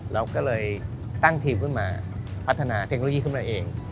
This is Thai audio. เราก็เลยตั้งทีมขึ้นมาพัฒนาเทคโนโลยีขึ้นมาเอง